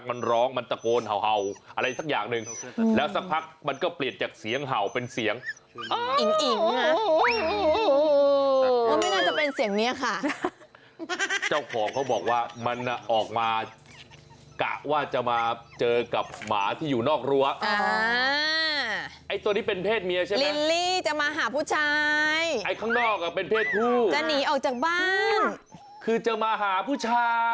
มันร้องมันตะโกนเห่าอะไรสักอย่างหนึ่งแล้วสักพักมันก็เปลี่ยนจากเสียงเห่าเป็นเสียงอิ๋งอิ๋งอ่ะโอ้โหไม่น่าจะเป็นเสียงเนี้ยค่ะเจ้าของเขาบอกว่ามันออกมากะว่าจะมาเจอกับหมาที่อยู่นอกรั้วไอ้ตัวนี้เป็นเพศเมียใช่ไหมลิลลี่จะมาหาผู้ชายไอ้ข้างนอกอ่ะเป็นเพศผู้จะหนีออกจากบ้านคือจะมาหาผู้ชาย